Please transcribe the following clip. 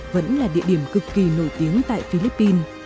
vẫn là địa điểm cực kỳ nổi tiếng tại philippines